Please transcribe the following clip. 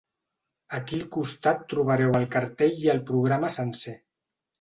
Aquí al costat trobareu el cartell i el programa sencer.